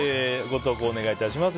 ご投稿お願い致します。